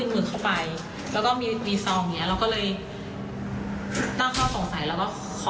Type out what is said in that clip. เพราะว่าขับรถไปก็เป็นผู้หญิงคนเดียว